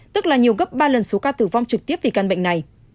tức là nhiều gấp ba lần số ca tử vong trực tiếp vì căn bệnh này